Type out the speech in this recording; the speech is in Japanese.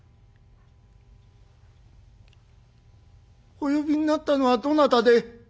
「お呼びになったのはどなたで？」。